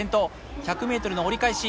１００ｍの折り返し。